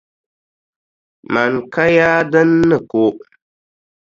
Mani ka yaa din ni ko.